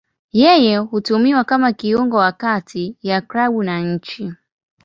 Yeye hutumiwa kama kiungo wa kati ya klabu na nchi.